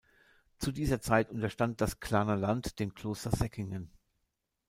Zu dieser Zeit unterstand das Glarnerland dem Kloster Säckingen.